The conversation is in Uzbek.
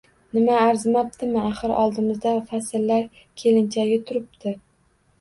Nima arzimabdimi, axir oldimizda fasllar kelinchagi turibdi.